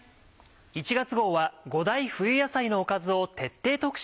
１月号は５大冬野菜のおかずを徹底特集。